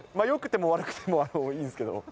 よくても悪くてもいいんですけど。